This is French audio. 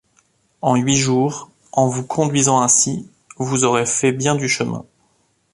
En huit jours, en vous conduisant ainsi, vous aurez fait bien du chemin.